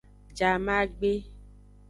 Jamagbe.